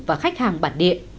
và khách hàng bản địa